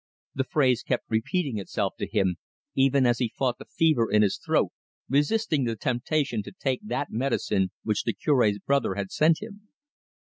The phrase kept repeating itself to him even as he fought the fever in his throat, resisting the temptation to take that medicine which the Curb's brother had sent him.